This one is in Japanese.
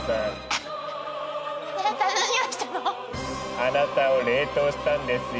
あなたを冷凍したんですよ